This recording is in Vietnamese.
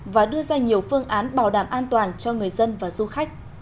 và đưa ra nhiều phương án bảo đảm an toàn cho người dân và du khách